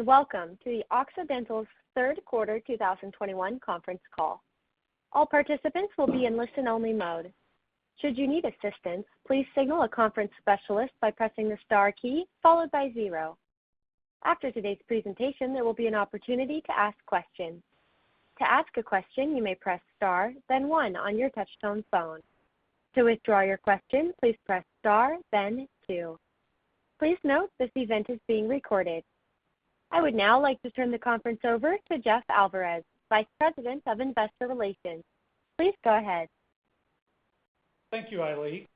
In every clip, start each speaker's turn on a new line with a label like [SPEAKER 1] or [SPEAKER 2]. [SPEAKER 1] Welcome to Occidental's third quarter 2021 conference call. All participants will be in listen-only mode. Should you need assistance, please signal a conference specialist by pressing the star key followed by zero. After today's presentation, there will be an opportunity to ask questions. To ask a question, you may press star, then one on your touchtone phone. To withdraw your question, please press star then two. Please note, this event is being recorded. I would now like to turn the conference over to Jeff Alvarez, Vice President of Investor Relations. Please go ahead.
[SPEAKER 2] Thank you, Eileen.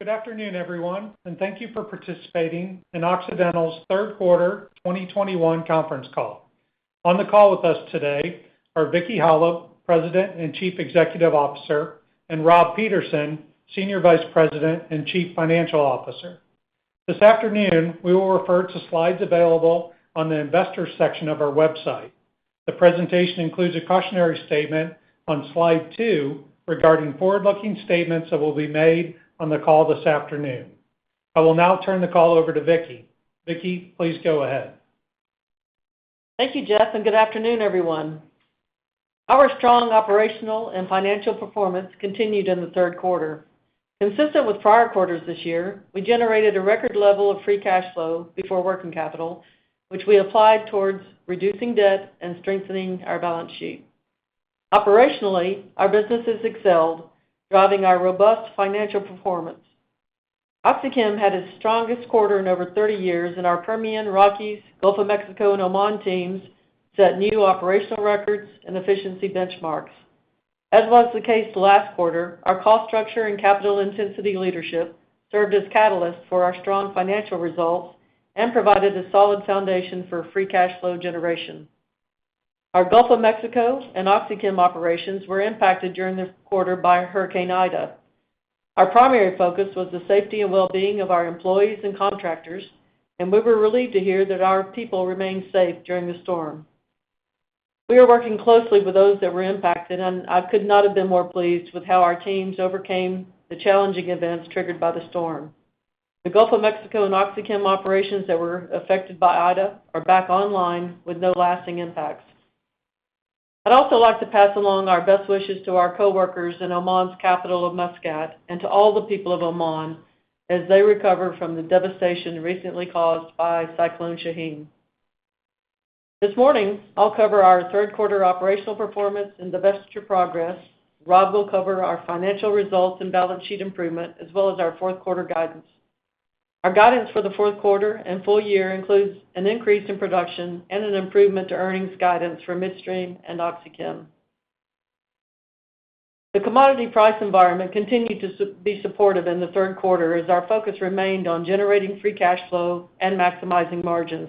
[SPEAKER 2] Good afternoon, everyone, and thank you for participating in Occidental's third quarter 2021 conference call. On the call with us today are Vicki Hollub, President and Chief Executive Officer, and Rob Peterson, Senior Vice President and Chief Financial Officer. This afternoon, we will refer to slides available on the Investors section of our website. The presentation includes a cautionary statement on slide two regarding forward-looking statements that will be made on the call this afternoon. I will now turn the call over to Vicki. Vicki, please go ahead.
[SPEAKER 3] Thank you, Jeff, and good afternoon, everyone. Our strong operational and financial performance continued in the third quarter. Consistent with prior quarters this year, we generated a record level of free cash flow before working capital, which we applied towards reducing debt and strengthening our balance sheet. Operationally, our businesses excelled, driving our robust financial performance. OxyChem had its strongest quarter in over 30 years, and our Permian, Rockies, Gulf of Mexico and Oman teams set new operational records and efficiency benchmarks. As was the case last quarter, our cost structure and capital intensity leadership served as catalysts for our strong financial results and provided a solid foundation for free cash flow generation. Our Gulf of Mexico and OxyChem operations were impacted during the quarter by Hurricane Ida. Our primary focus was the safety and well-being of our employees and contractors, and we were relieved to hear that our people remained safe during the storm. We are working closely with those that were impacted, and I could not have been more pleased with how our teams overcame the challenging events triggered by the storm. The Gulf of Mexico and OxyChem operations that were affected by Ida are back online with no lasting impacts. I'd also like to pass along our best wishes to our coworkers in Oman's capital of Muscat and to all the people of Oman as they recover from the devastation recently caused by Cyclone Shaheen. This morning, I'll cover our third quarter operational performance and divestiture progress. Rob will cover our financial results and balance sheet improvement, as well as our fourth quarter guidance. Our guidance for the fourth quarter and full year includes an increase in production and an improvement to earnings guidance for Midstream and OxyChem. The commodity price environment continued to be supportive in the third quarter as our focus remained on generating free cash flow and maximizing margins.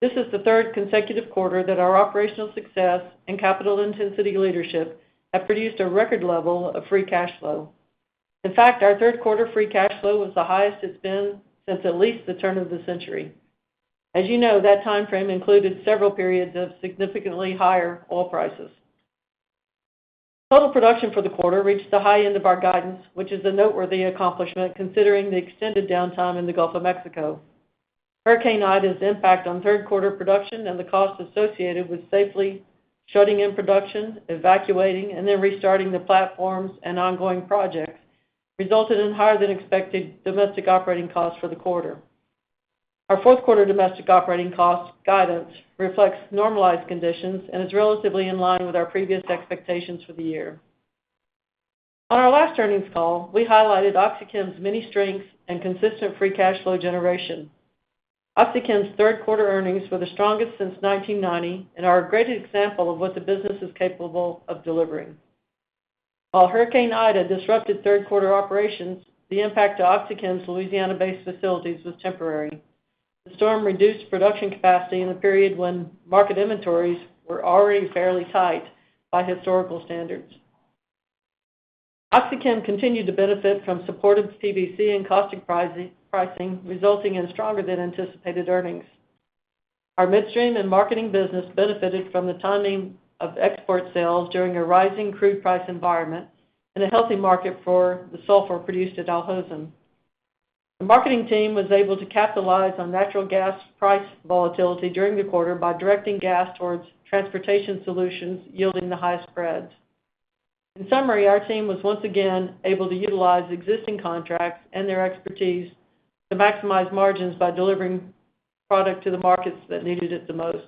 [SPEAKER 3] This is the third consecutive quarter that our operational success and capital intensity leadership have produced a record level of free cash flow. In fact, our third quarter free cash flow was the highest it's been since at least the turn of the century. As you know, that timeframe included several periods of significantly higher oil prices. Total production for the quarter reached the high end of our guidance, which is a noteworthy accomplishment considering the extended downtime in the Gulf of Mexico. Hurricane Ida's impact on third quarter production and the cost associated with safely shutting in production, evacuating, and then restarting the platforms and ongoing projects resulted in higher than expected domestic operating costs for the quarter. Our fourth quarter domestic operating cost guidance reflects normalized conditions and is relatively in line with our previous expectations for the year. On our last earnings call, we highlighted OxyChem's many strengths and consistent free cash flow generation. OxyChem's third quarter earnings were the strongest since 1990 and are a great example of what the business is capable of delivering. While Hurricane Ida disrupted third-quarter operations, the impact to OxyChem's Louisiana-based facilities was temporary. The storm reduced production capacity in a period when market inventories were already fairly tight by historical standards. OxyChem continued to benefit from supportive PVC and caustic pricing, resulting in stronger than anticipated earnings. Our Midstream and Marketing business benefited from the timing of export sales during a rising crude price environment and a healthy market for the sulfur produced at Al Hosn. The marketing team was able to capitalize on natural gas price volatility during the quarter by directing gas towards transportation solutions yielding the highest spreads. In summary, our team was once again able to utilize existing contracts and their expertise to maximize margins by delivering product to the markets that needed it the most.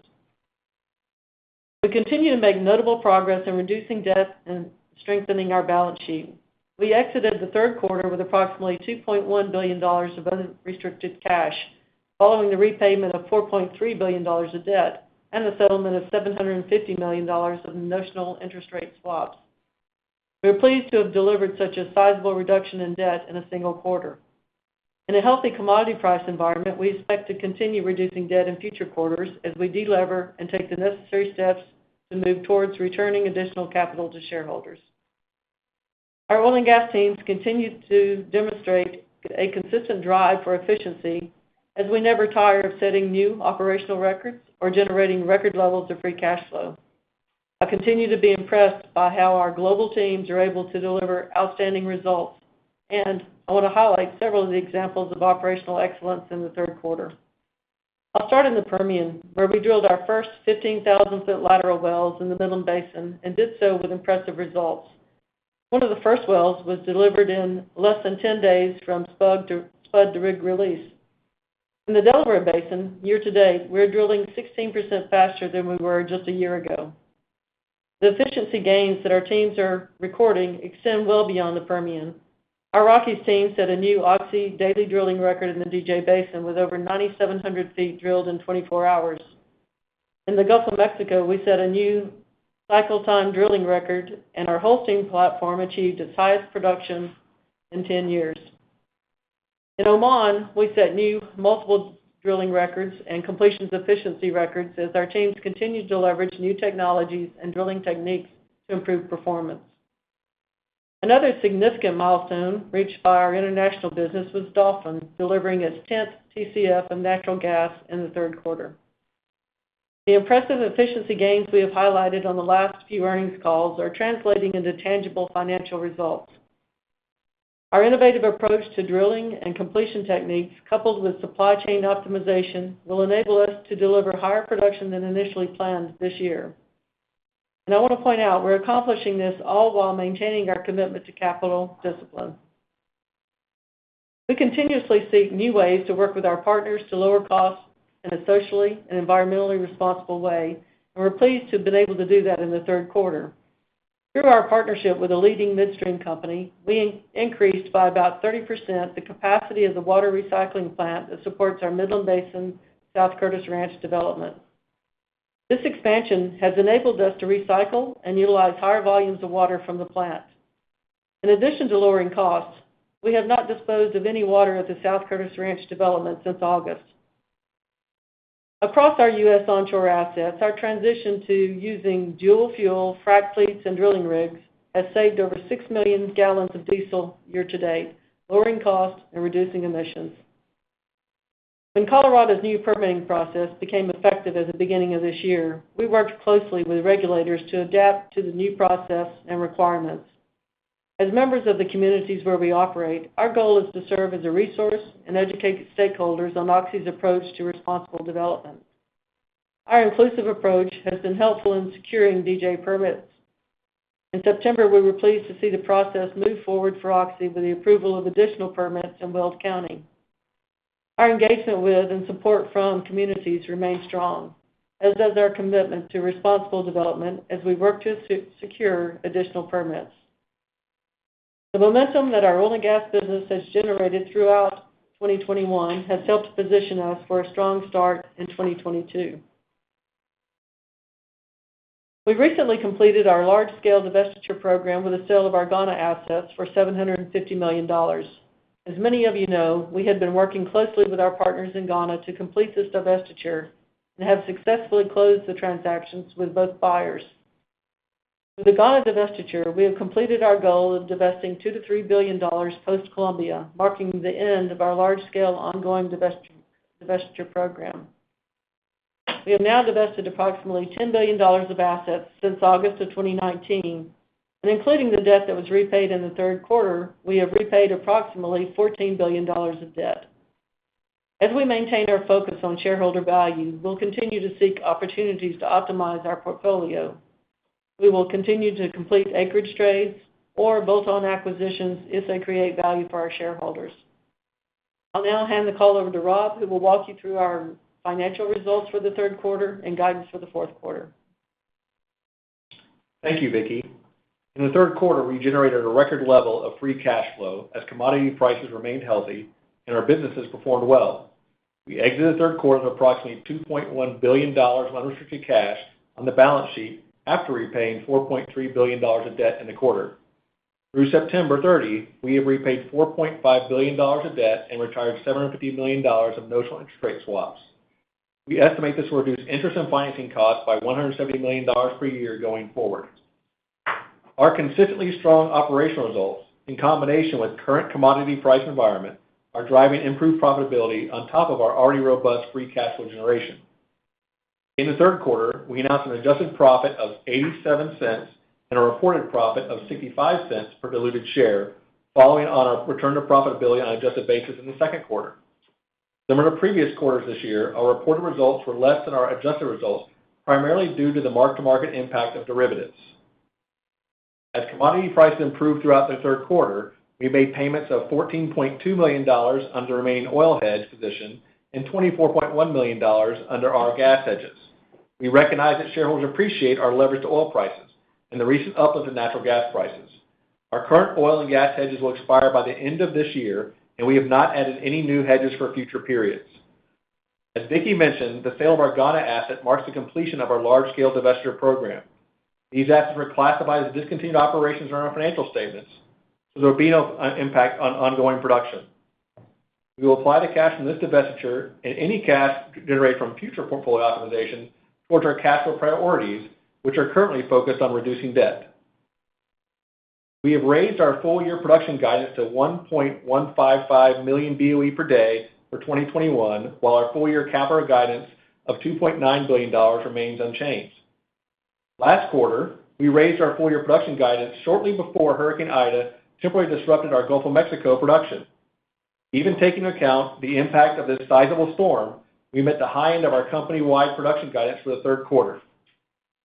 [SPEAKER 3] We continue to make notable progress in reducing debt and strengthening our balance sheet. We exited the third quarter with approximately $2.1 billion of unrestricted cash, following the repayment of $4.3 billion of debt and the settlement of $750 million of notional interest rate swaps. We are pleased to have delivered such a sizable reduction in debt in a single quarter. In a healthy commodity price environment, we expect to continue reducing debt in future quarters as we de-lever and take the necessary steps to move towards returning additional capital to shareholders. Our oil and gas teams continue to demonstrate a consistent drive for efficiency as we never tire of setting new operational records or generating record levels of free cash flow. I continue to be impressed by how our global teams are able to deliver outstanding results, and I wanna highlight several of the examples of operational excellence in the third quarter. I'll start in the Permian, where we drilled our first 15,000-foot lateral wells in the Midland Basin and did so with impressive results. One of the first wells was delivered in less than 10 days from spud to rig release. In the Delaware Basin, year to date, we're drilling 16% faster than we were just a year ago. The efficiency gains that our teams are recording extend well beyond the Permian. Our Rockies team set a new Oxy daily drilling record in the DJ Basin with over 9,700 feet drilled in 24 hours. In the Gulf of Mexico, we set a new cycle time drilling record, and our hosting platform achieved its highest production in 10 years. In Oman, we set new multiple drilling records and completions efficiency records as our teams continued to leverage new technologies and drilling techniques to improve performance. Another significant milestone reached by our international business was Dolphin delivering its 10th TCF of natural gas in the third quarter. The impressive efficiency gains we have highlighted on the last few earnings calls are translating into tangible financial results. Our innovative approach to drilling and completion techniques coupled with supply chain optimization will enable us to deliver higher production than initially planned this year. I wanna point out we're accomplishing this all while maintaining our commitment to capital discipline. We continuously seek new ways to work with our partners to lower costs in a socially and environmentally responsible way, and we're pleased to have been able to do that in the third quarter. Through our partnership with a leading midstream company, we increased by about 30% the capacity of the water recycling plant that supports our Midland Basin South Curtis Ranch development. This expansion has enabled us to recycle and utilize higher volumes of water from the plant. In addition to lowering costs, we have not disposed of any water at the South Curtis Ranch development since August. Across our U.S. onshore assets, our transition to using dual-fuel frac fleets and drilling rigs has saved over 6 million gallons of diesel year to date, lowering costs and reducing emissions. When Colorado's new permitting process became effective at the beginning of this year, we worked closely with regulators to adapt to the new process and requirements. As members of the communities where we operate, our goal is to serve as a resource and educate stakeholders on Oxy's approach to responsible development. Our inclusive approach has been helpful in securing DJ permits. In September, we were pleased to see the process move forward for Oxy with the approval of additional permits in Weld County. Our engagement with and support from communities remains strong, as does our commitment to responsible development as we work to secure additional permits. The momentum that our oil and gas business has generated throughout 2021 has helped position us for a strong start in 2022. We recently completed our large-scale divestiture program with the sale of our Ghana assets for $750 million. As many of you know, we had been working closely with our partners in Ghana to complete this divestiture and have successfully closed the transactions with both buyers. With the Ghana divestiture, we have completed our goal of divesting $2 billion-$3 billion post-Colombia, marking the end of our large-scale ongoing divestiture program. We have now divested approximately $10 billion of assets since August 2019, and including the debt that was repaid in the third quarter, we have repaid approximately $14 billion of debt. As we maintain our focus on shareholder value, we'll continue to seek opportunities to optimize our portfolio. We will continue to complete acreage trades or bolt-on acquisitions if they create value for our shareholders. I'll now hand the call over to Rob, who will walk you through our financial results for the third quarter and guidance for the fourth quarter.
[SPEAKER 4] Thank you, Vicki. In the third quarter, we generated a record level of free cash flow as commodity prices remained healthy and our businesses performed well. We exited the third quarter with approximately $2.1 billion of unrestricted cash on the balance sheet after repaying $4.3 billion of debt in the quarter. Through September 30, we have repaid $4.5 billion of debt and retired $750 million of notional interest rate swaps. We estimate this will reduce interest and financing costs by $170 million per year going forward. Our consistently strong operational results, in combination with current commodity price environment, are driving improved profitability on top of our already robust free cash flow generation. In the third quarter, we announced an adjusted profit of $0.87 and a reported profit of $0.65 per diluted share, following on our return to profitability on adjusted basis in the second quarter. Similar to previous quarters this year, our reported results were less than our adjusted results, primarily due to the mark-to-market impact of derivatives. As commodity prices improved throughout the third quarter, we made payments of $14.2 million on the remaining oil hedge position and $24.1 million under our gas hedges. We recognize that shareholders appreciate our leverage to oil prices and the recent uplift in natural gas prices. Our current oil and gas hedges will expire by the end of this year, and we have not added any new hedges for future periods. As Vicki mentioned, the sale of our Ghana asset marks the completion of our large-scale divestiture program. These assets were classified as discontinued operations on our financial statements, so there will be no impact on ongoing production. We will apply the cash from this divestiture and any cash generated from future portfolio optimization towards our cash flow priorities, which are currently focused on reducing debt. We have raised our full-year production guidance to 1.155 million BOE per day for 2021, while our full-year capital guidance of $2.9 billion remains unchanged. Last quarter, we raised our full-year production guidance shortly before Hurricane Ida temporarily disrupted our Gulf of Mexico production. Even taking into account the impact of this sizable storm, we met the high end of our company-wide production guidance for the third quarter.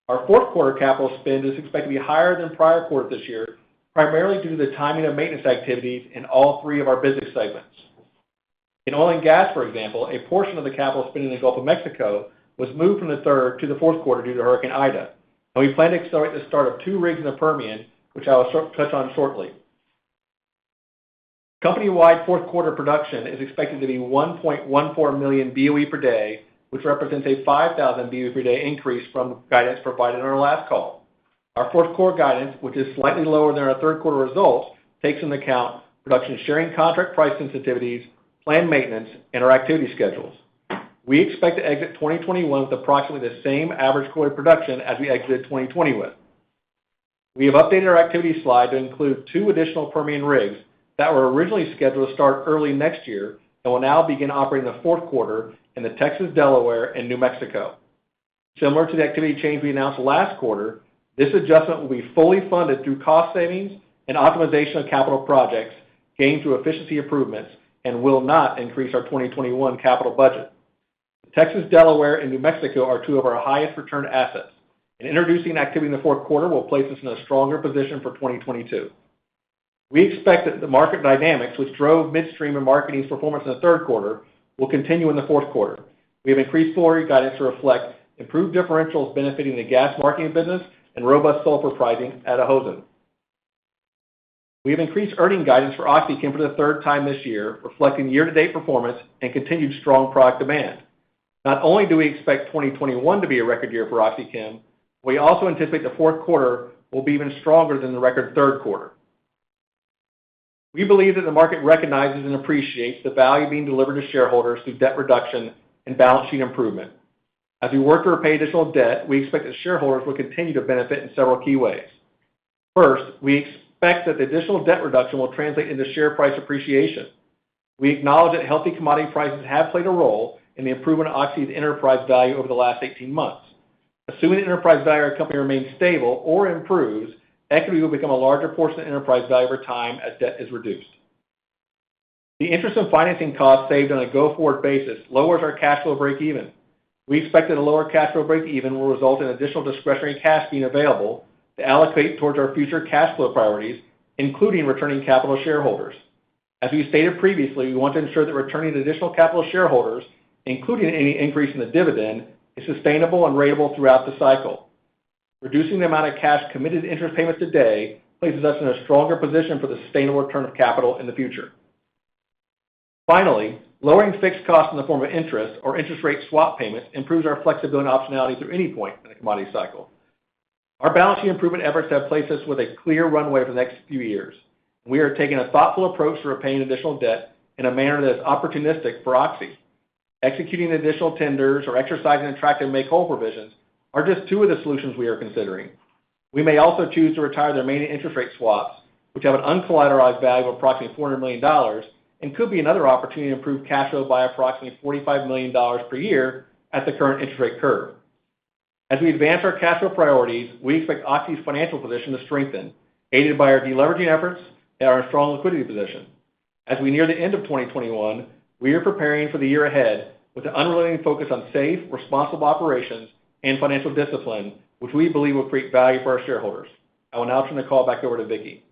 [SPEAKER 4] Our fourth quarter capital spend is expected to be higher than prior quarters this year, primarily due to the timing of maintenance activities in all three of our business segments. In oil and gas, for example, a portion of the capital spend in the Gulf of Mexico was moved from the third to the fourth quarter due to Hurricane Ida. We plan to accelerate the start of two rigs in the Permian, which I will touch on shortly. Company-wide fourth quarter production is expected to be 1.14 million BOE per day, which represents a 5,000 BOE per day increase from guidance provided on our last call. Our fourth quarter guidance, which is slightly lower than our third quarter results, takes into account production sharing contract price sensitivities, planned maintenance, and our activity schedules. We expect to exit 2021 with approximately the same average quarterly production as we exited 2020 with. We have updated our activity slide to include two additional Permian rigs that were originally scheduled to start early next year and will now begin operating in the fourth quarter in the Texas Delaware and New Mexico. Similar to the activity change we announced last quarter, this adjustment will be fully funded through cost savings and optimization of capital projects gained through efficiency improvements and will not increase our 2021 capital budget. The Texas Delaware and New Mexico are two of our highest return assets, and introducing activity in the fourth quarter will place us in a stronger position for 2022. We expect that the market dynamics, which drove Midstream and Marketing's performance in the third quarter, will continue in the fourth quarter. We have increased forward guidance to reflect improved differentials benefiting the gas marketing business and robust sulfur pricing at Al Hosn. We have increased earnings guidance for OxyChem for the third time this year, reflecting year-to-date performance and continued strong product demand. Not only do we expect 2021 to be a record year for OxyChem, we also anticipate the fourth quarter will be even stronger than the record third quarter. We believe that the market recognizes and appreciates the value being delivered to shareholders through debt reduction and balance sheet improvement. As we work to repay additional debt, we expect that shareholders will continue to benefit in several key ways. First, we expect that the additional debt reduction will translate into share price appreciation. We acknowledge that healthy commodity prices have played a role in the improvement of Oxy's enterprise value over the last 18 months. Assuming the enterprise value of our company remains stable or improves, equity will become a larger portion of enterprise value over time as debt is reduced. The interest and financing costs saved on a go-forward basis lowers our cash flow breakeven. We expect that a lower cash flow breakeven will result in additional discretionary cash being available to allocate towards our future cash flow priorities, including returning capital to shareholders. As we've stated previously, we want to ensure that returning additional capital to shareholders, including any increase in the dividend, is sustainable and ratable throughout the cycle. Reducing the amount of cash committed to interest payments today places us in a stronger position for the sustainable return of capital in the future. Finally, lowering fixed costs in the form of interest or interest rate swap payments improves our flexibility and optionality through any point in the commodity cycle. Our balance sheet improvement efforts have placed us with a clear runway for the next few years. We are taking a thoughtful approach to repaying additional debt in a manner that is opportunistic for Oxy. Executing additional tenders or exercising attractive make-whole provisions are just two of the solutions we are considering. We may also choose to retire the remaining interest rate swaps, which have an uncollateralized value of approximately $400 million and could be another opportunity to improve cash flow by approximately $45 million per year at the current interest rate curve. As we advance our cash flow priorities, we expect Oxy's financial position to strengthen, aided by our deleveraging efforts and our strong liquidity position. As we near the end of 2021, we are preparing for the year ahead with an unrelenting focus on safe, responsible operations and financial discipline, which we believe will create value for our shareholders. I will now turn the call back over to Vicki.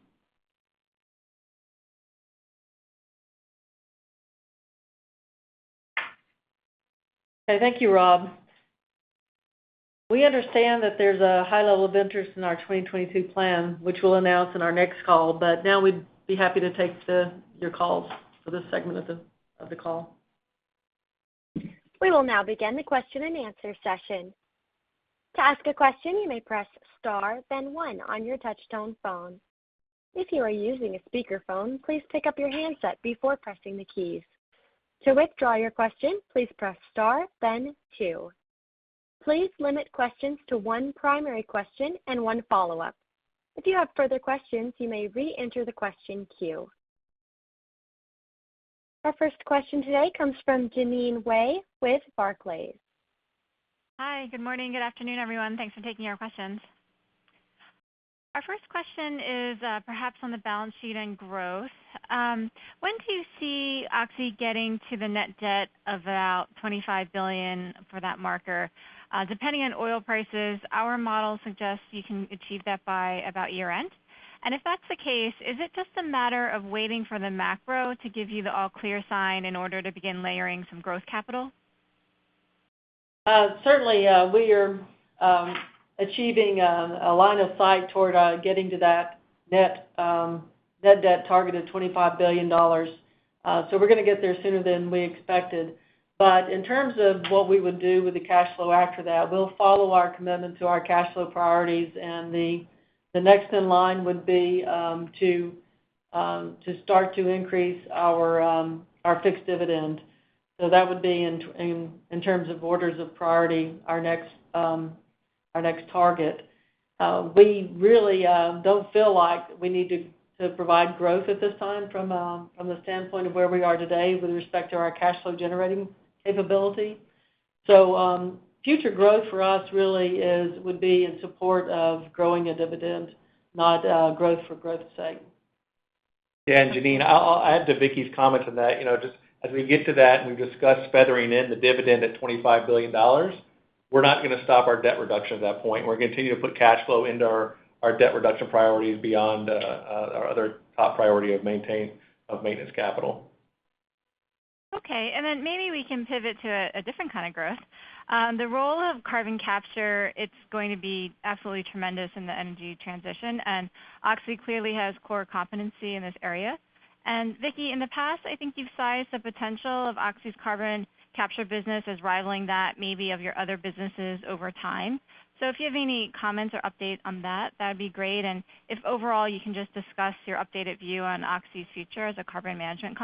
[SPEAKER 3] Okay, thank you, Rob. We understand that there's a high level of interest in our 2022 plan, which we'll announce in our next call, but now we'd be happy to take your calls for this segment of the call.
[SPEAKER 1] We will now begin the question-and-answer session. To ask a question, you may press star then one on your touch-tone phone. If you are using a speakerphone, please pick up your handset before pressing the keys. To withdraw your question, please press star then two. Please limit questions to one primary question and one follow-up. If you have further questions, you may re-enter the question queue. Our first question today comes from Jeanine Wai with Barclays.
[SPEAKER 5] Hi, good morning, good afternoon, everyone. Thanks for taking our questions. Our first question is perhaps on the balance sheet and growth. When do you see Oxy getting to the net debt of about $25 billion for that marker? Depending on oil prices, our model suggests you can achieve that by about year-end. If that's the case, is it just a matter of waiting for the macro to give you the all clear sign in order to begin layering some growth capital?
[SPEAKER 3] Certainly, we are achieving a line of sight toward getting to that net debt target of $25 billion. We're gonna get there sooner than we expected. In terms of what we would do with the cash flow after that, we'll follow our commitment to our cash flow priorities, and the next in line would be to start to increase our fixed dividend. That would be in terms of orders of priority, our next target. We really don't feel like we need to provide growth at this time from a standpoint of where we are today with respect to our cash flow generating capability. Future growth for us really would be in support of growing a dividend, not growth for growth's sake.
[SPEAKER 4] Yeah. Jeanine, I'll add to Vicki's comments on that. You know, just as we get to that and we've discussed feathering in the dividend at $25 billion, we're not gonna stop our debt reduction at that point. We're gonna continue to put cash flow into our debt reduction priorities beyond our other top priority of maintenance capital.
[SPEAKER 5] Okay. Maybe we can pivot to a different kind of growth. The role of carbon capture, it's going to be absolutely tremendous in the energy transition, and Oxy clearly has core competency in this area. Vicki, in the past, I think you've sized the potential of Oxy's carbon capture business as rivaling that maybe of your other businesses over time. If you have any comments or update on that'd be great. If overall, you can just discuss your updated view on Oxy's future as a carbon management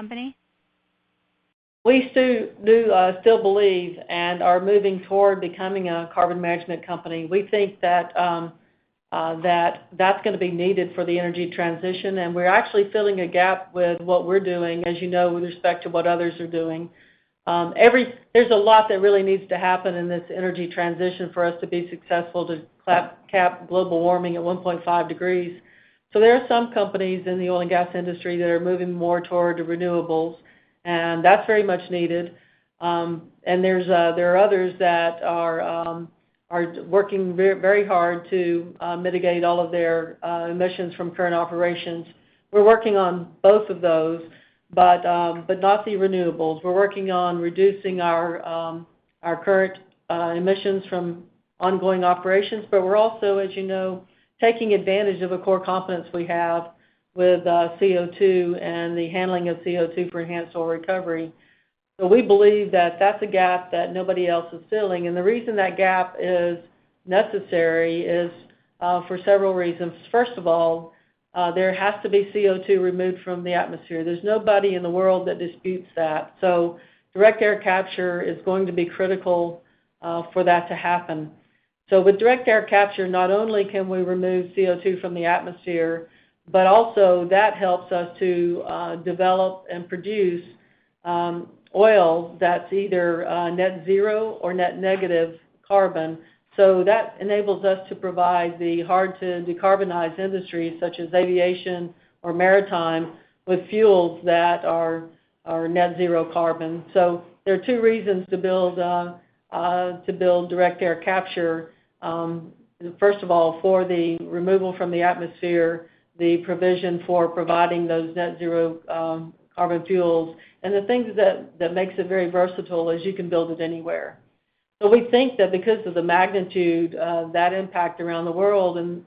[SPEAKER 5] company.
[SPEAKER 3] We still do, still believe and are moving toward becoming a carbon management company. We think that that's gonna be needed for the energy transition, and we're actually filling a gap with what we're doing, as you know, with respect to what others are doing. There's a lot that really needs to happen in this energy transition for us to be successful to cap global warming at 1.5 degrees. There are some companies in the oil and gas industry that are moving more toward the renewables, and that's very much needed. There are others that are working very hard to mitigate all of their emissions from current operations. We're working on both of those, but not the renewables. We're working on reducing our current emissions from ongoing operations. But we're also, as you know, taking advantage of a core competence we have with CO2 and the handling of CO2 for enhanced oil recovery. We believe that that's a gap that nobody else is filling. The reason that gap is necessary is for several reasons. First of all, there has to be CO2 removed from the atmosphere. There's nobody in the world that disputes that. Direct air capture is going to be critical for that to happen. With direct air capture, not only can we remove CO2 from the atmosphere, but also that helps us to develop and produce oil that's either net zero or net negative carbon. That enables us to provide the hard-to-decarbonize industries, such as aviation or maritime, with fuels that are net zero carbon. There are two reasons to build direct air capture. First of all, for the removal from the atmosphere, the provision for providing those net zero carbon fuels. The things that makes it very versatile is you can build it anywhere. We think that because of the magnitude of that impact around the world and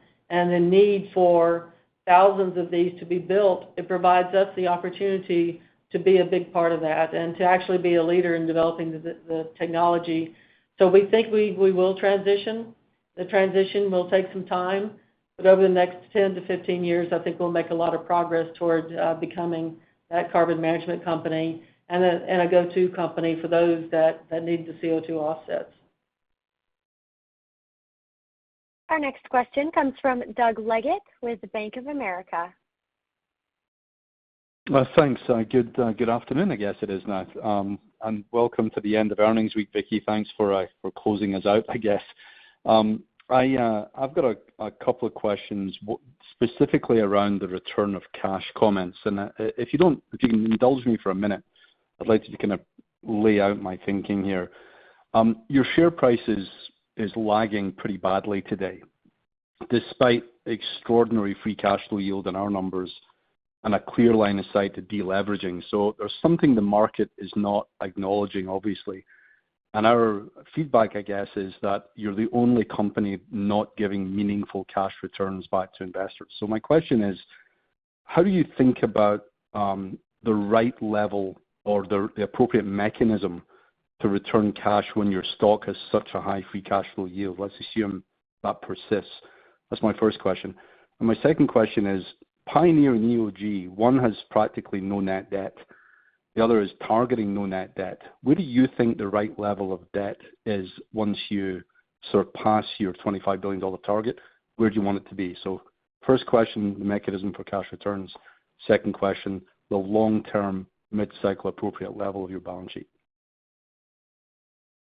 [SPEAKER 3] the need for thousands of these to be built, it provides us the opportunity to be a big part of that and to actually be a leader in developing the technology. We think we will transition. The transition will take some time, but over the next 10-15 years, I think we'll make a lot of progress towards becoming that carbon management company and a go-to company for those that need the CO2 offsets.
[SPEAKER 1] Our next question comes from Doug Leggate with Bank of America.
[SPEAKER 6] Thanks. Good afternoon, I guess it is now. Welcome to the end of earnings week, Vicki. Thanks for closing us out, I guess. I've got a couple of questions specifically around the return of cash comments. If you can indulge me for a minute, I'd like to kind of lay out my thinking here. Your share price is lagging pretty badly today, despite extraordinary free cash flow yield in our numbers and a clear line of sight to deleveraging. There's something the market is not acknowledging, obviously. Our feedback, I guess, is that you're the only company not giving meaningful cash returns back to investors. My question is: How do you think about the right level or the appropriate mechanism to return cash when your stock has such a high free cash flow yield? Let's assume that persists. That's my first question. My second question is, Pioneer and EOG, one has practically no net debt, the other is targeting no net debt. Where do you think the right level of debt is once you surpass your $25 billion target? Where do you want it to be? First question, the mechanism for cash returns. Second question, the long-term mid-cycle appropriate level of your balance sheet.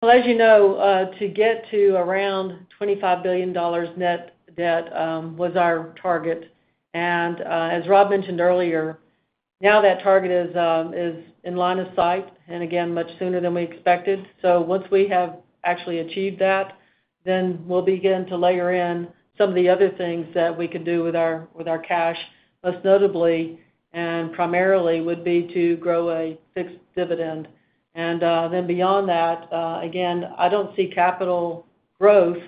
[SPEAKER 3] Well, as you know, to get to around $25 billion net debt was our target. As Rob mentioned earlier, now that target is in line of sight, and again, much sooner than we expected. Once we have actually achieved that, then we'll begin to layer in some of the other things that we can do with our cash, most notably and primarily would be to grow a fixed dividend. Then beyond that, again, I don't see capital growth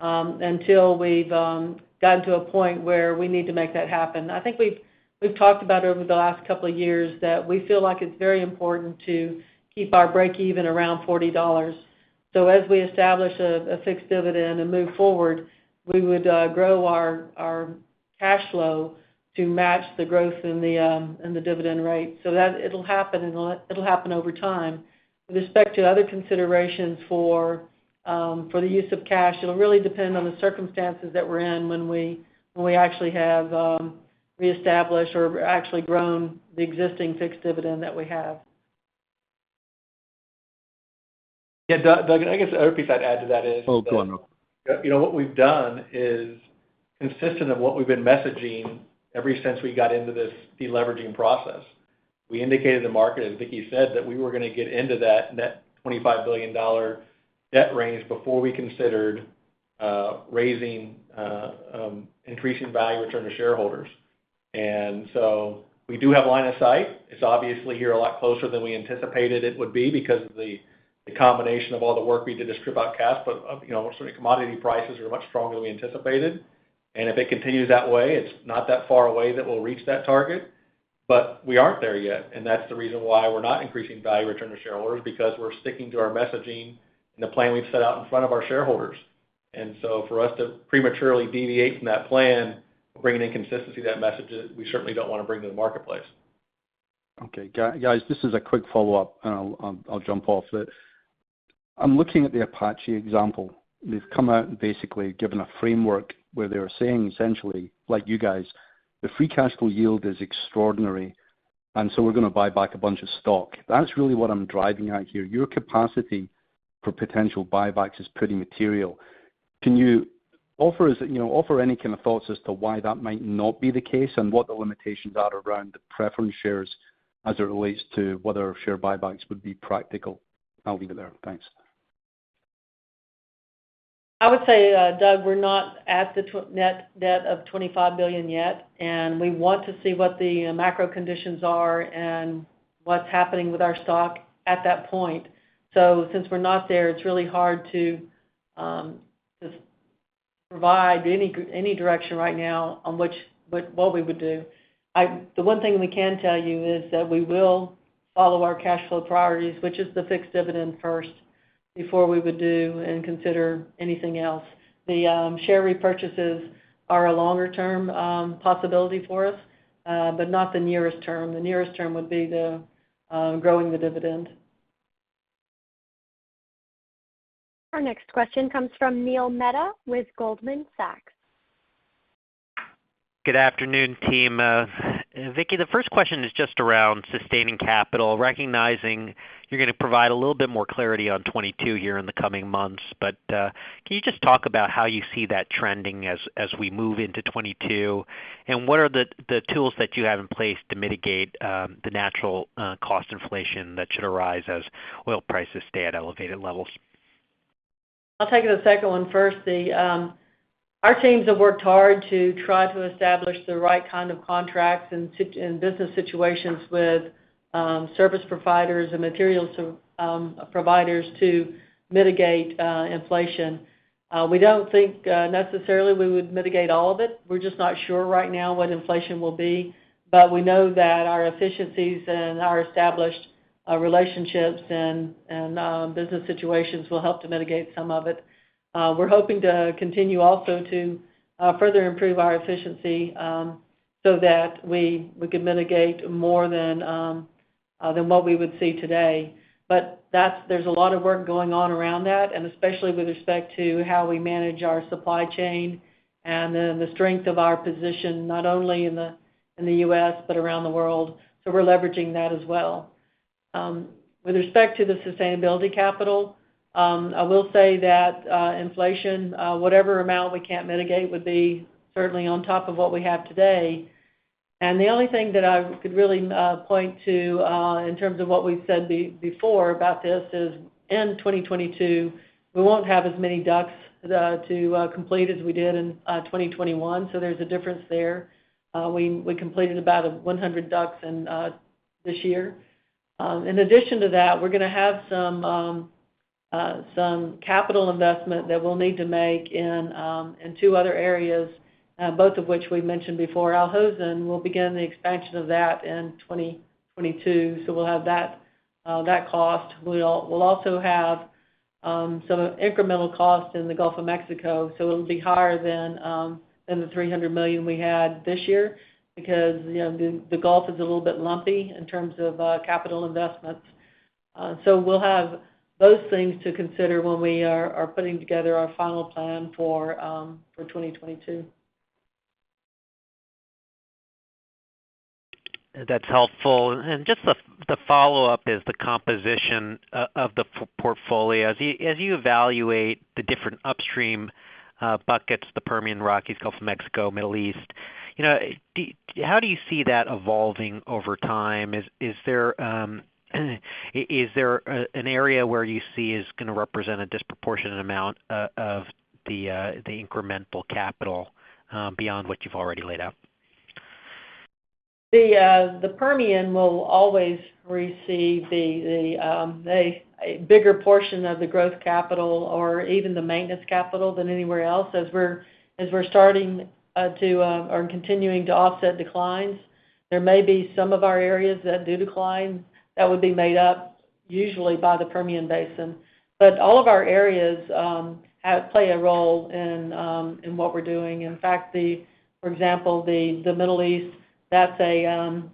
[SPEAKER 3] until we've gotten to a point where we need to make that happen. I think we've talked about over the last couple of years that we feel like it's very important to keep our breakeven around $40. As we establish a fixed dividend and move forward, we would grow our cash flow to match the growth in the dividend rate. That it'll happen, and it'll happen over time. With respect to other considerations for the use of cash, it'll really depend on the circumstances that we're in when we actually have reestablished or actually grown the existing fixed dividend that we have.
[SPEAKER 4] Yeah. Doug, I guess the other piece I'd add to that is.
[SPEAKER 6] Oh, go on, Rob.
[SPEAKER 4] You know, what we've done is consistent of what we've been messaging ever since we got into this de-leveraging process. We indicated the market, as Vicki said, that we were gonna get into that net $25 billion debt range before we considered increasing value return to shareholders. We do have line of sight. It's obviously here a lot closer than we anticipated it would be because of the combination of all the work we did to strip out cash. You know, certainly commodity prices are much stronger than we anticipated. If it continues that way, it's not that far away that we'll reach that target. We aren't there yet, and that's the reason why we're not increasing value return to shareholders because we're sticking to our messaging and the plan we've set out in front of our shareholders. For us to prematurely deviate from that plan will bring an inconsistency to that message that we certainly don't wanna bring to the marketplace.
[SPEAKER 6] Okay. Guys, this is a quick follow-up, and I'll jump off. I'm looking at the Apache example. They've come out and basically given a framework where they're saying essentially, like you guys, "The free cash flow yield is extraordinary, and so we're gonna buy back a bunch of stock." That's really what I'm driving at here. Your capacity for potential buybacks is pretty material. Can you offer us, you know, offer any kind of thoughts as to why that might not be the case and what the limitations are around the preference shares as it relates to whether share buybacks would be practical? I'll leave it there. Thanks.
[SPEAKER 3] I would say, Doug, we're not at the net debt of $25 billion yet, and we want to see what the macro conditions are and what's happening with our stock at that point. Since we're not there, it's really hard to just provide any direction right now on what we would do. The one thing we can tell you is that we will follow our cash flow priorities, which is the fixed dividend first, before we would do and consider anything else. The share repurchases are a longer-term possibility for us, but not the nearest term. The nearest term would be growing the dividend.
[SPEAKER 1] Our next question comes from Neil Mehta with Goldman Sachs.
[SPEAKER 7] Good afternoon, team. Vicki, the first question is just around sustaining capital, recognizing you're gonna provide a little bit more clarity on 2022 here in the coming months. Can you just talk about how you see that trending as we move into 2022? What are the tools that you have in place to mitigate the natural cost inflation that should arise as oil prices stay at elevated levels?
[SPEAKER 3] I'll take the second one first. Our teams have worked hard to try to establish the right kind of contracts and business situations with service providers and material providers to mitigate inflation. We don't think necessarily we would mitigate all of it. We're just not sure right now what inflation will be. We know that our efficiencies and our established relationships and business situations will help to mitigate some of it. We're hoping to continue also to further improve our efficiency so that we can mitigate more than what we would see today. There's a lot of work going on around that, and especially with respect to how we manage our supply chain and then the strength of our position, not only in the U.S., but around the world. We're leveraging that as well. With respect to the sustainability capital, I will say that inflation, whatever amount we can't mitigate would be certainly on top of what we have today. The only thing that I could really point to, in terms of what we've said before about this is in 2022, we won't have as many DUCs to complete as we did in 2021, so there's a difference there. We completed about 100 DUCs in this year. In addition to that, we're gonna have some capital investment that we'll need to make in two other areas, both of which we've mentioned before. Al Hosn, we'll begin the expansion of that in 2022, so we'll have that cost. We'll also have some incremental costs in the Gulf of Mexico, so it'll be higher than the $300 million we had this year because, you know, the Gulf is a little bit lumpy in terms of capital investments. We'll have those things to consider when we are putting together our final plan for 2022.
[SPEAKER 7] That's helpful. Just the follow-up is the composition of the portfolio. As you evaluate the different upstream buckets, the Permian, Rockies, Gulf of Mexico, Middle East, you know, how do you see that evolving over time? Is there an area where you see is gonna represent a disproportionate amount of the incremental capital beyond what you've already laid out?
[SPEAKER 3] The Permian will always receive a bigger portion of the growth capital or even the maintenance capital than anywhere else as we're starting or continuing to offset declines. There may be some of our areas that do decline that would be made up usually by the Permian Basin. All of our areas play a role in what we're doing. In fact, for example, the Middle East, that's an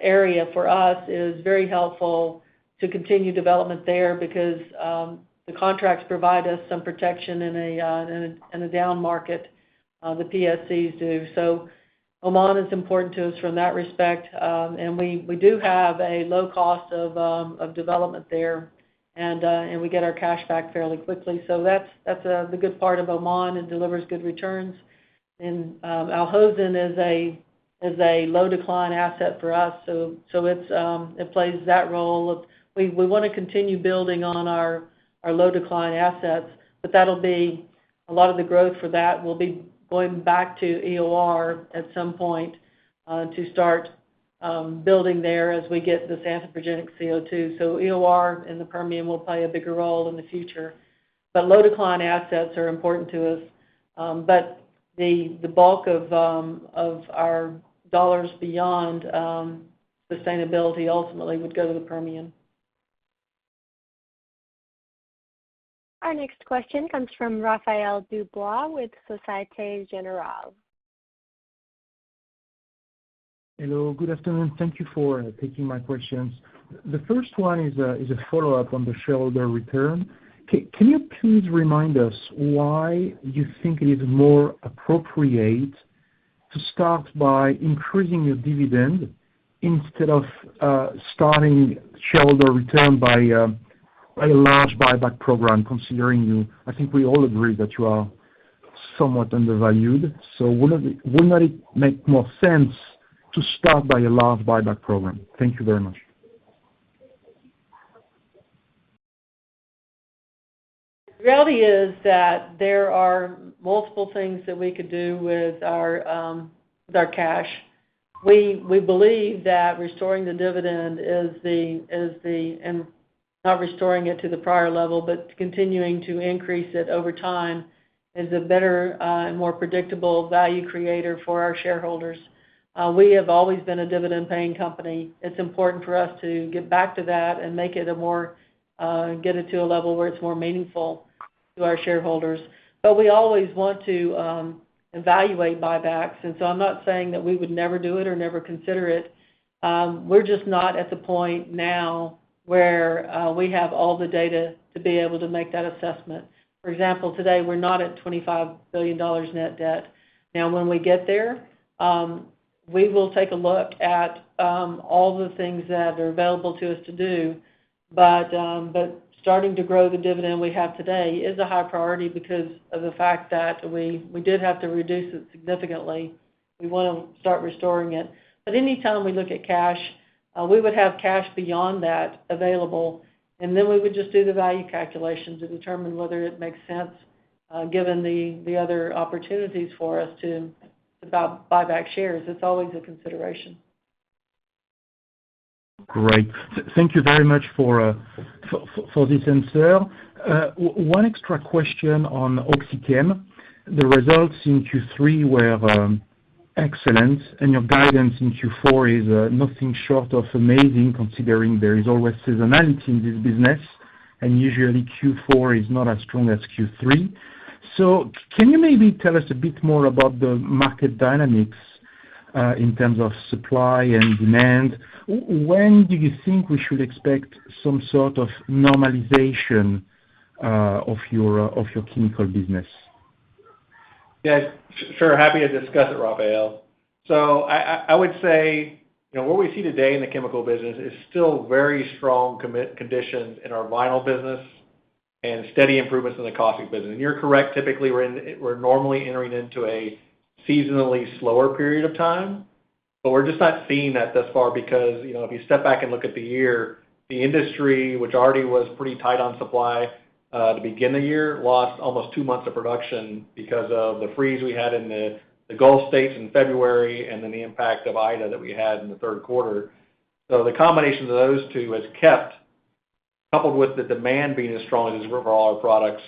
[SPEAKER 3] area for us that is very helpful to continue development there because the contracts provide us some protection in a down market, the PSCs do. Oman is important to us in that respect. We do have a low cost of development there. We get our cash back fairly quickly. That's the good part of Oman. It delivers good returns. Al Hosn is a low decline asset for us. It plays that role of we wanna continue building on our low decline assets, but that'll be a lot of the growth for that will be going back to EOR at some point to start building there as we get this anthropogenic CO2. EOR in the Permian will play a bigger role in the future. Low decline assets are important to us. The bulk of our dollars beyond sustainability ultimately would go to the Permian.
[SPEAKER 1] Our next question comes from Raphaël Dubois with Société Générale.
[SPEAKER 8] Hello, good afternoon. Thank you for taking my questions. The first one is a follow-up on the shareholder return. Can you please remind us why you think it is more appropriate to start by increasing your dividend instead of starting shareholder return by a large buyback program considering you I think we all agree that you are somewhat undervalued. Would it not make more sense to start by a large buyback program? Thank you very much.
[SPEAKER 3] Reality is that there are multiple things that we could do with our cash. We believe that restoring the dividend—not restoring it to the prior level, but continuing to increase it over time—is a better and more predictable value creator for our shareholders. We have always been a dividend paying company. It's important for us to get back to that and get it to a level where it's more meaningful to our shareholders. We always want to evaluate buybacks. I'm not saying that we would never do it or never consider it. We're just not at the point now where we have all the data to be able to make that assessment. For example, today, we're not at $25 billion net debt. Now, when we get there, we will take a look at all the things that are available to us to do, but starting to grow the dividend we have today is a high priority because of the fact that we did have to reduce it significantly. We wanna start restoring it. Anytime we look at cash, we would have cash beyond that available, and then we would just do the value calculation to determine whether it makes sense, given the other opportunities for us to buy back shares. It's always a consideration.
[SPEAKER 8] Great. Thank you very much for this answer. One extra question on OxyChem. The results in Q3 were excellent, and your guidance in Q4 is nothing short of amazing considering there is always seasonality in this business, and usually Q4 is not as strong as Q3. Can you maybe tell us a bit more about the market dynamics in terms of supply and demand? When do you think we should expect some sort of normalization of your chemical business?
[SPEAKER 4] Yes, sure. Happy to discuss it, Raphaël. I would say, you know, what we see today in the chemical business is still very strong market conditions in our vinyl business and steady improvements in the caustic business. You're correct, typically, we're normally entering into a seasonally slower period of time, but we're just not seeing that thus far because, you know, if you step back and look at the year, the industry, which already was pretty tight on supply, to begin the year, lost almost two months of production because of the freeze we had in the Gulf States in February and then the impact of Ida that we had in the third quarter. The combination of those two, coupled with the demand being as strong as it is for all our products,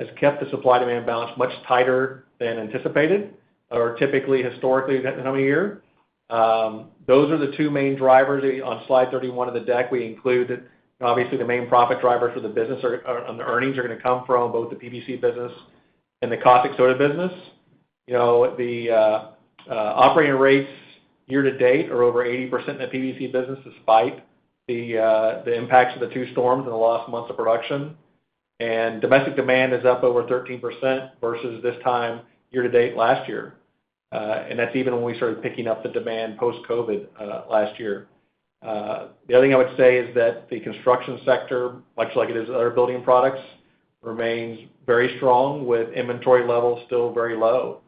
[SPEAKER 4] has kept the supply-demand balance much tighter than anticipated or typically, historically this time of year. Those are the two main drivers. On slide 31 of the deck, we included, obviously, the main profit drivers for the business are on the earnings gonna come from both the PVC business and the caustic soda business. Operating rates year to date are over 80% in the PVC business despite the impacts of the two storms and the lost months of production. Domestic demand is up over 13% versus this time year to date last year. That's even when we started picking up the demand post-COVID last year. The other thing I would say is that the construction sector, much like it is other building products, remains very strong with inventory levels still very low.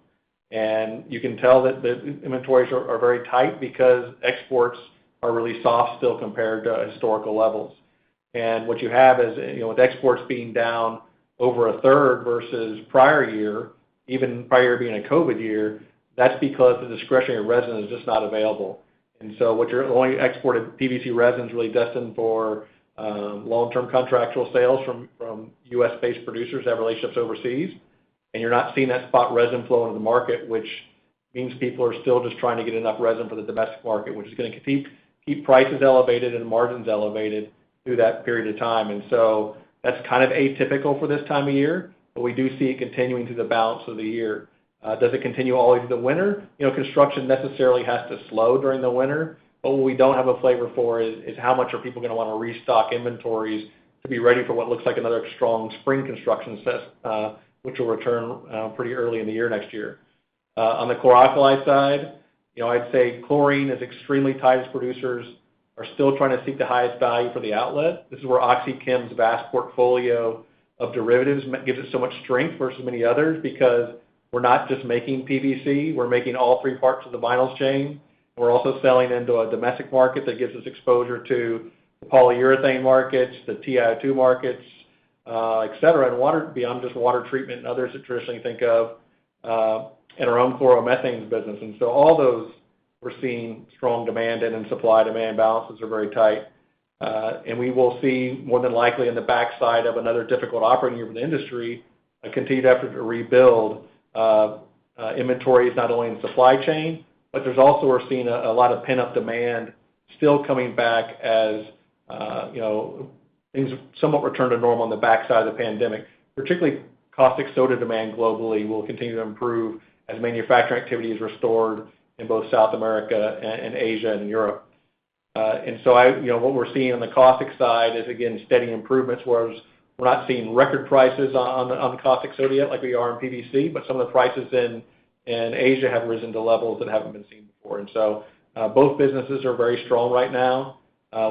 [SPEAKER 4] You can tell that the inventories are very tight because exports are really soft still compared to historical levels. What you have is, you know, with exports being down over a third versus prior year, even prior year being a COVID year, that's because the discretionary resin is just not available. What you're only exported PVC resin is really destined for long-term contractual sales from U.S.-based producers that have relationships overseas. You're not seeing that spot resin flow into the market, which means people are still just trying to get enough resin for the domestic market, which is gonna keep prices elevated and margins elevated through that period of time. That's kind of atypical for this time of year, but we do see it continuing through the balance of the year. Does it continue all the way through the winter? You know, construction necessarily has to slow during the winter, but what we don't have a flavor for is how much are people gonna wanna restock inventories to be ready for what looks like another strong spring construction set, which will return pretty early in the year-next-year. On the chlor-alkali side, you know, I'd say chlorine is extremely tight as producers are still trying to seek the highest value for the outlet. This is where OxyChem's vast portfolio of derivatives gives it so much strength versus many others because we're not just making PVC, we're making all three parts of the vinyls chain. We're also selling into a domestic market that gives us exposure to the polyurethane markets, the TiO2 markets, et cetera, and water, beyond just water treatment and others that traditionally think of, in our own chloromethanes business. All those we're seeing strong demand and supply demand balances are very tight. We will see more than likely in the backside of another difficult operating year for the industry, a continued effort to rebuild, inventories not only in the supply chain, but there's also we're seeing a lot of pent-up demand still coming back as, you know, things somewhat return to normal on the backside of the pandemic. Particularly caustic soda demand globally will continue to improve as manufacturing activity is restored in both South America and Asia and Europe. I... You know, what we're seeing on the caustic side is again steady improvements, whereas we're not seeing record prices on the caustic soda yet like we are in PVC, but some of the prices in Asia have risen to levels that haven't been seen before. Both businesses are very strong right now.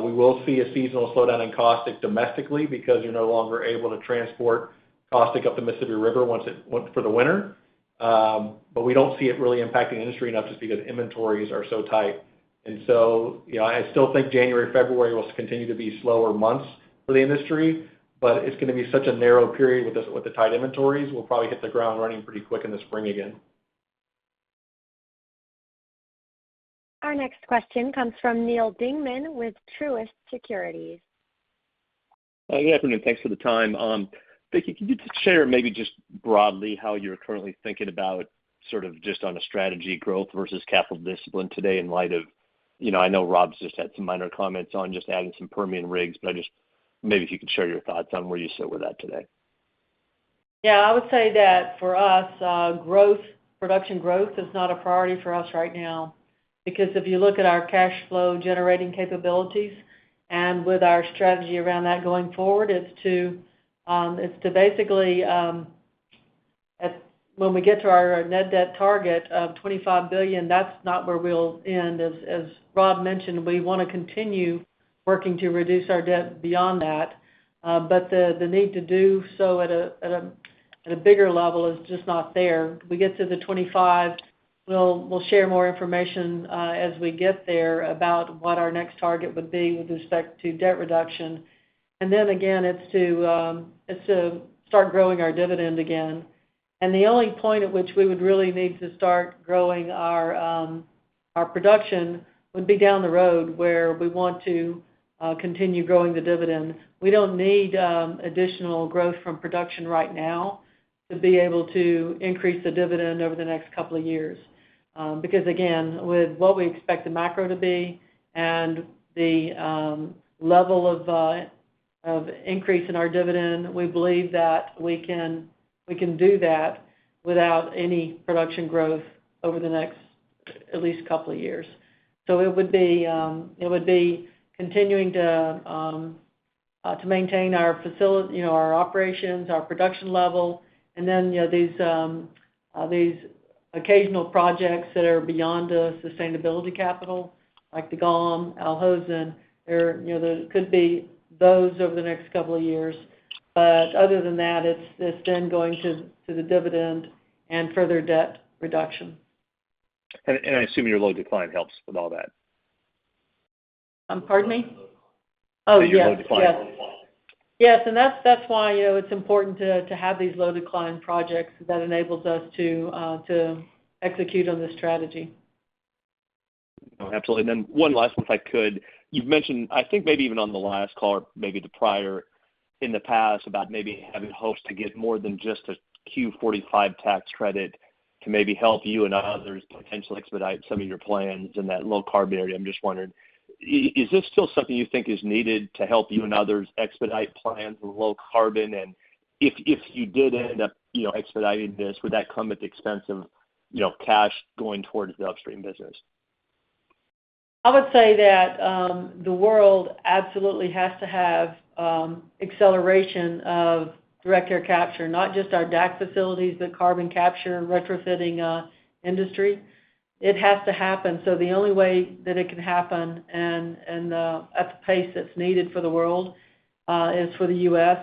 [SPEAKER 4] We will see a seasonal slowdown in caustic domestically because you're no longer able to transport caustic up the Mississippi River for the winter. We don't see it really impacting the industry enough just because inventories are so tight. You know, I still think January, February will continue to be slower months for the industry, but it's gonna be such a narrow period with the tight inventories. We'll probably hit the ground running pretty quick in the spring again.
[SPEAKER 1] Our next question comes from Neal Dingmann with Truist Securities.
[SPEAKER 9] Good afternoon. Thanks for the time. Vicki, can you just share maybe just broadly how you're currently thinking about sort of just on a strategy growth versus capital discipline today in light of, you know, I know Rob's just had some minor comments on just adding some Permian rigs, but I just maybe if you could share your thoughts on where you sit with that today.
[SPEAKER 3] Yeah. I would say that for us, growth, production growth is not a priority for us right now. Because if you look at our cash flow generating capabilities and with our strategy around that going forward, it's to basically when we get to our net debt target of $25 billion, that's not where we'll end. As Rob mentioned, we wanna continue working to reduce our debt beyond that. The need to do so at a bigger level is just not there. We get to the $25 billion, we'll share more information as we get there about what our next target would be with respect to debt reduction. Then again, it's to start growing our dividend again. The only point at which we would really need to start growing our production would be down the road where we want to continue growing the dividend. We don't need additional growth from production right now to be able to increase the dividend over the next couple of years. Because again, with what we expect the macro to be and the level of increase in our dividend, we believe that we can do that without any production growth over the next at least couple of years. It would be continuing to maintain our operations, our production level, and then, you know, these occasional projects that are beyond sustaining capital, like the GOM, Al Hosn. You know, there could be those over the next couple of years. Other than that, it's then going to the dividend and further debt reduction.
[SPEAKER 9] I assume your low decline helps with all that.
[SPEAKER 3] Pardon me?
[SPEAKER 4] Low decline.
[SPEAKER 3] Oh, yes.
[SPEAKER 9] Your low decline.
[SPEAKER 3] Yes, that's why, you know, it's important to have these low decline projects that enables us to execute on this strategy.
[SPEAKER 9] No, absolutely. One last one if I could. You've mentioned, I think maybe even on the last call or maybe the prior in the past about maybe having hopes to get more than just a 45Q tax credit to maybe help you and others potentially expedite some of your plans in that low carbon area. I'm just wondering, is this still something you think is needed to help you and others expedite plans with low carbon? If you did end up, you know, expediting this, would that come at the expense of, you know, cash going towards the upstream business?
[SPEAKER 3] I would say that the world absolutely has to have acceleration of direct air capture, not just our DAC facilities, the carbon capture retrofitting industry. It has to happen. The only way that it can happen and at the pace that's needed for the world is for the U.S.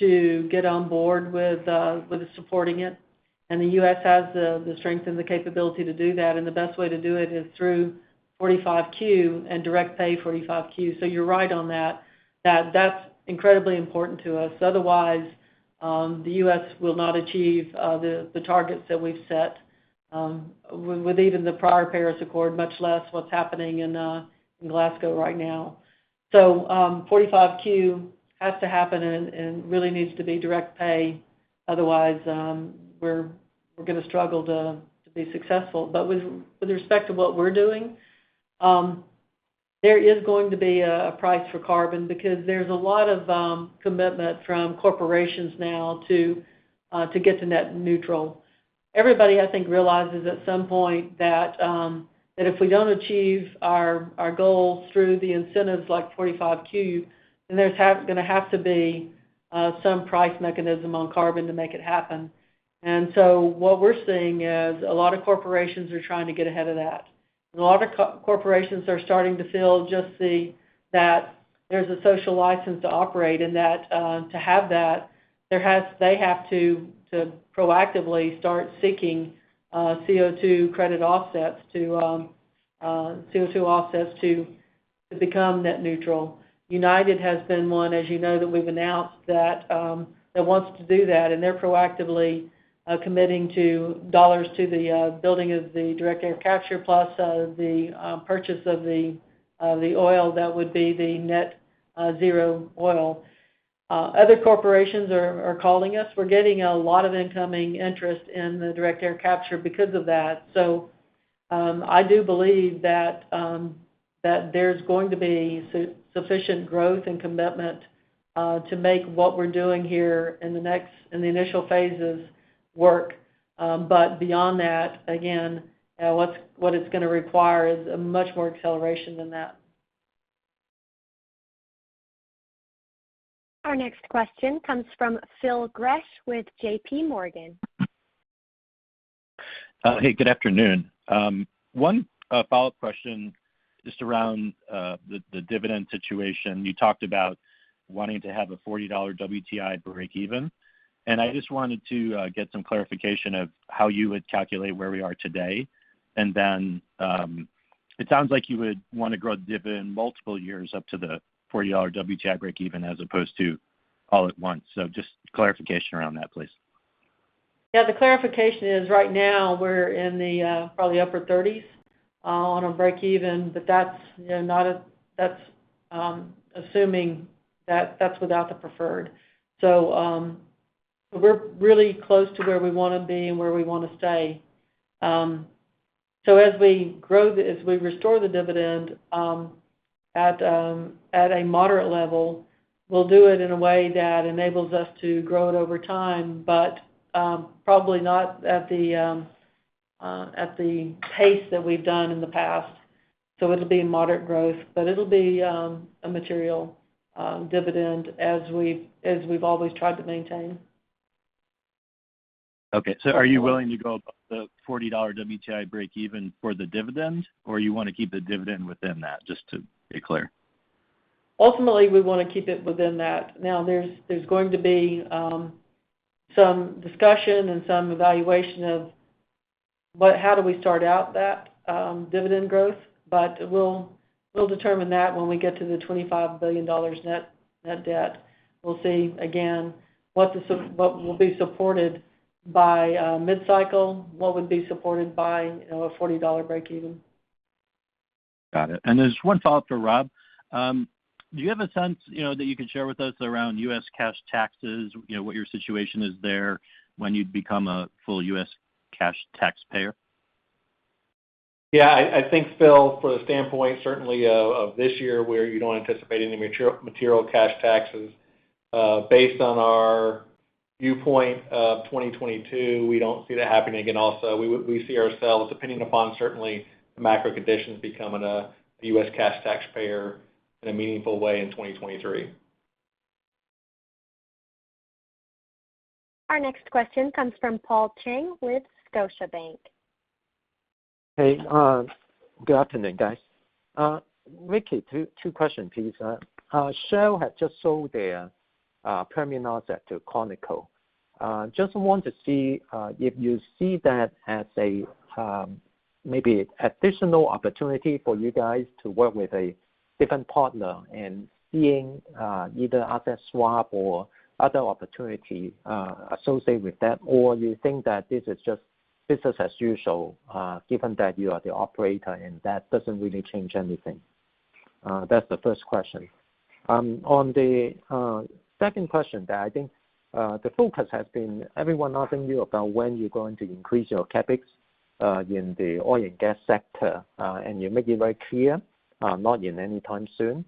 [SPEAKER 3] to get on board with supporting it. The U.S. has the strength and the capability to do that, and the best way to do it is through 45Q and direct pay 45Q. You're right on that's incredibly important to us. Otherwise, the U.S. will not achieve the targets that we've set with even the prior Paris Accord, much less what's happening in Glasgow right now. 45Q has to happen and really needs to be direct pay. Otherwise, we're gonna struggle to be successful. With respect to what we're doing, there is going to be a price for carbon because there's a lot of commitment from corporations now to get to net zero. Everybody, I think, realizes at some point that if we don't achieve our goals through the incentives like 45Q, then there's gonna have to be some price mechanism on carbon to make it happen. What we're seeing is a lot of corporations are trying to get ahead of that. A lot of corporations are starting to feel that there's a social license to operate and that to have that, they have to proactively start seeking CO2 offsets to become net zero. United has been one, as you know, that we've announced that wants to do that, and they're proactively committing dollars to the building of the direct air capture, plus the purchase of the oil that would be the net zero oil. Other corporations are calling us. We're getting a lot of incoming interest in the direct air capture because of that. I do believe that that there's going to be sufficient growth and commitment to make what we're doing here in the initial phases work. Beyond that, again, what it's gonna require is a much more acceleration than that.
[SPEAKER 1] Our next question comes from Phil Gresh with JPMorgan.
[SPEAKER 10] Hey, good afternoon. One follow-up question just around the dividend situation. You talked about wanting to have a $40 WTI breakeven, and I just wanted to get some clarification of how you would calculate where we are today. Then it sounds like you would wanna grow the dividend multiple years up to the $40 WTI breakeven as opposed to all at once. Just clarification around that, please.
[SPEAKER 3] Yeah, the clarification is right now we're in the probably upper $30s on a breakeven, but that's, you know, that's without the preferred. We're really close to where we wanna be and where we wanna stay. As we restore the dividend at a moderate level, we'll do it in a way that enables us to grow it over time, but probably not at the pace that we've done in the past. It'll be moderate growth, but it'll be a material dividend as we've always tried to maintain.
[SPEAKER 10] Okay. Are you willing to go above the $40 WTI breakeven for the dividend, or you wanna keep the dividend within that? Just to be clear.
[SPEAKER 3] Ultimately, we wanna keep it within that. Now there's going to be some discussion and some evaluation of how do we start out that dividend growth. We'll determine that when we get to the $25 billion net debt. We'll see again what will be supported by mid-cycle, what would be supported by a $40 breakeven.
[SPEAKER 10] Got it. There's one follow-up for Rob. Do you have a sense, you know, that you could share with us around U.S. cash taxes, you know, what your situation is there when you'd become a full U.S. cash taxpayer?
[SPEAKER 4] Yeah. I think, Phil, from the standpoint certainly of this year where you don't anticipate any material cash taxes, based on our viewpoint of 2022, we don't see that happening. Also we see ourselves, depending upon certainly the macro conditions, becoming a U.S. cash taxpayer in a meaningful way in 2023.
[SPEAKER 1] Our next question comes from Paul Cheng with Scotiabank.
[SPEAKER 11] Hey, good afternoon, guys. Vicki, two questions please. Shell had just sold their Permian asset to ConocoPhillips. I just want to see if you see that as a maybe additional opportunity for you guys to work with a different partner and seeing either asset swap or other opportunity associated with that, or you think that this is just business as usual, given that you are the operator and that doesn't really change anything? That's the first question. On the second question that I think the focus has been everyone asking you about when you're going to increase your CapEx in the oil and gas sector, and you make it very clear not in any time soon.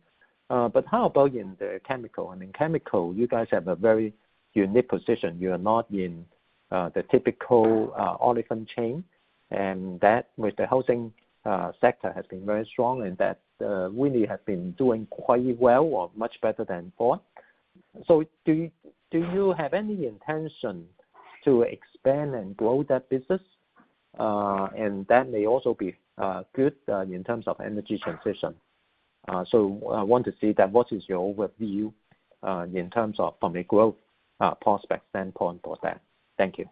[SPEAKER 11] But how about in the chemical? In chemical, you guys have a very unique position. You are not in the typical olefin chain, and that with the housing sector has been very strong, and that really have been doing quite well or much better than before. Do you have any intention to expand and grow that business? That may also be good in terms of energy transition. I want to see that what is your view in terms of from a growth prospect standpoint for that? Thank you.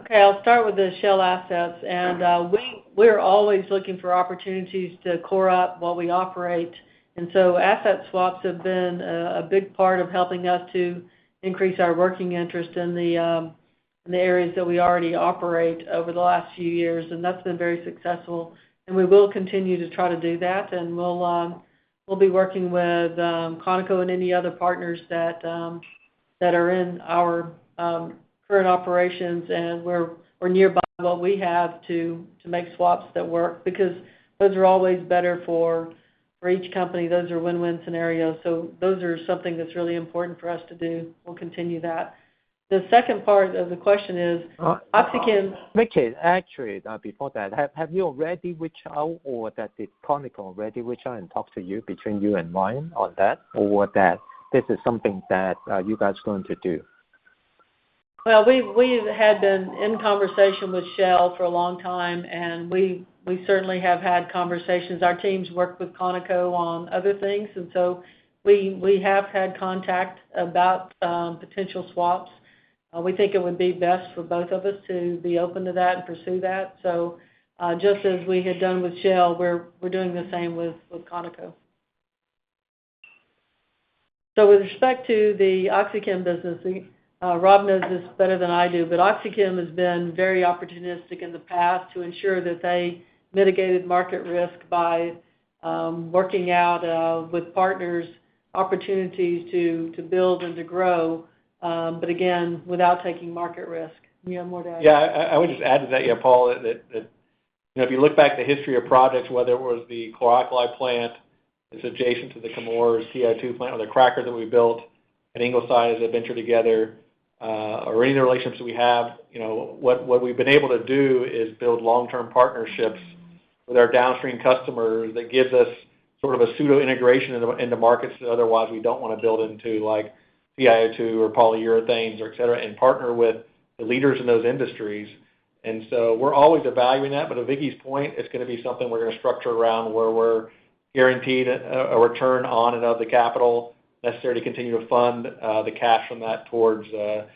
[SPEAKER 3] Okay. I'll start with the Shell assets. We're always looking for opportunities to core up while we operate. Asset swaps have been a big part of helping us to increase our working interest in the areas that we already operate over the last few years, and that's been very successful. We will continue to try to do that, and we'll be working with ConocoPhillips and any other partners that are in our current operations and where we're nearby what we have to make swaps that work because those are always better for each company. Those are win-win scenarios. Those are something that's really important for us to do. We'll continue that. The second part of the question is, OxyChem-
[SPEAKER 11] Vicki, actually, before that, have you already reached out, or did Conoco already reach out and talk to you between you and Ryan on that? Or is this something that you guys are going to do?
[SPEAKER 3] Well, we've been in conversation with Shell for a long time, and we certainly have had conversations. Our teams work with ConocoPhillips on other things, and we have had contact about potential swaps. We think it would be best for both of us to be open to that and pursue that. Just as we had done with Shell, we're doing the same with ConocoPhillips. With respect to the OxyChem business, Rob knows this better than I do, but OxyChem has been very opportunistic in the past to ensure that they mitigated market risk by working out with partners opportunities to build and to grow, but again, without taking market risk. You have more to add?
[SPEAKER 4] Yeah. I would just add to that, yeah, Paul, that you know, if you look back at the history of projects, whether it was the chlor-alkali plant that's adjacent to the Chemours TiO2 plant or the cracker that we built at Ingleside as a venture together, or any of the relationships we have, you know what we've been able to do is build long-term partnerships with our downstream customers that gives us sort of a pseudo integration into markets that otherwise we don't wanna build into, like TiO2 or polyurethanes or et cetera, and partner with the leaders in those industries. We're always evaluating that. To Vicki's point, it's gonna be something we're gonna structure around where we're guaranteed a return on, and of, the capital necessary to continue to fund the cash from that towards the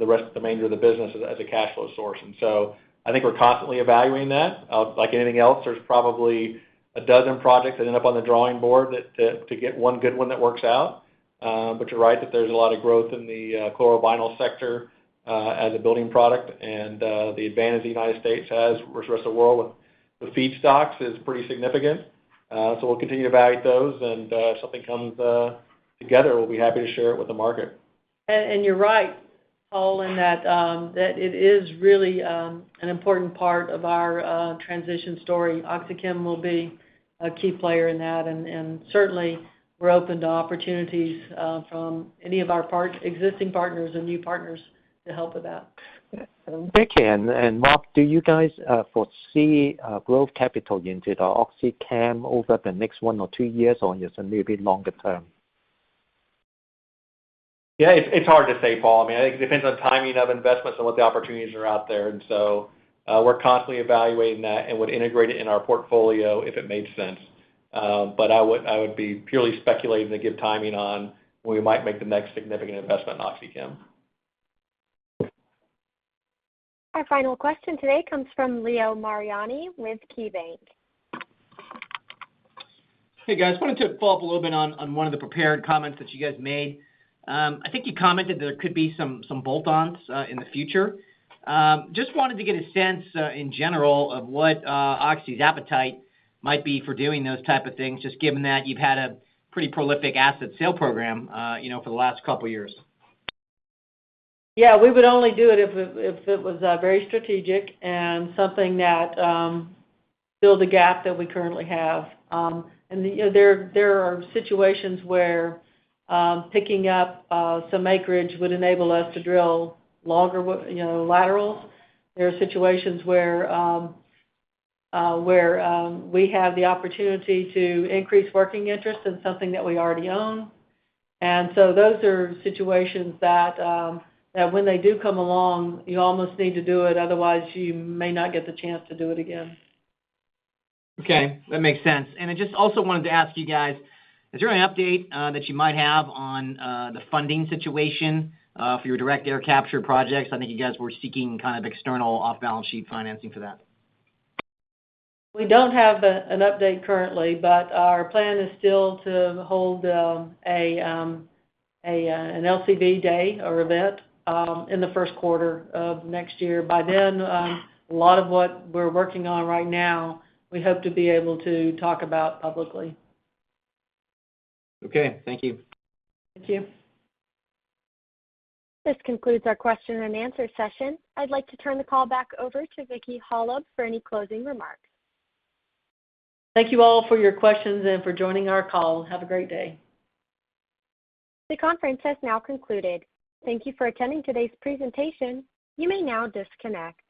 [SPEAKER 4] rest of the remainder of the business as a cash flow source. I think we're constantly evaluating that. Like anything else, there's probably a dozen projects that end up on the drawing board that, to get one good one that works out. You're right that there's a lot of growth in the chlorovinyls sector as a building product. The advantage the United States has versus the rest of the world with feedstocks is pretty significant. We'll continue to evaluate those, and if something comes together, we'll be happy to share it with the market.
[SPEAKER 3] You're right, Paul, in that it is really an important part of our transition story. OxyChem will be a key player in that. Certainly we're open to opportunities from any of our partners, existing partners and new partners to help with that.
[SPEAKER 11] Vicki and Rob, do you guys foresee growth capital into the OxyChem over the next one or two years, or is it maybe longer term?
[SPEAKER 4] Yeah, it's hard to say, Paul. I mean, I think it depends on timing of investments and what the opportunities are out there. We're constantly evaluating that and would integrate it in our portfolio if it made sense. I would be purely speculating to give timing on when we might make the next significant investment in OxyChem.
[SPEAKER 1] Our final question today comes from Leo Mariani with KeyBanc.
[SPEAKER 12] Hey, guys. Wanted to follow up a little bit on one of the prepared comments that you guys made. I think you commented there could be some bolt-ons in the future. Just wanted to get a sense in general of what Oxy's appetite might be for doing those type of things, just given that you've had a pretty prolific asset sale program, you know, for the last couple years.
[SPEAKER 3] Yeah. We would only do it if it was very strategic and something that filled a gap that we currently have. You know, there are situations where picking up some acreage would enable us to drill longer, you know, laterals. There are situations where we have the opportunity to increase working interest in something that we already own. Those are situations that when they do come along, you almost need to do it. Otherwise, you may not get the chance to do it again.
[SPEAKER 12] Okay. That makes sense. I just also wanted to ask you guys, is there an update that you might have on the funding situation for your direct air capture projects? I think you guys were seeking kind of external off-balance sheet financing for that.
[SPEAKER 3] We don't have an update currently, but our plan is still to hold an LCV day or event in the first quarter of next year. By then, a lot of what we're working on right now, we hope to be able to talk about publicly.
[SPEAKER 12] Okay, thank you.
[SPEAKER 3] Thank you.
[SPEAKER 1] This concludes our question and answer session. I'd like to turn the call back over to Vicki Hollub for any closing remarks.
[SPEAKER 3] Thank you all for your questions and for joining our call. Have a great day.
[SPEAKER 1] The conference has now concluded. Thank you for attending today's presentation. You may now disconnect.